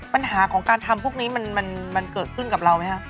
ปัญหาของการทำพวกนี้มันเกิดขึ้นกับเราไหมครับ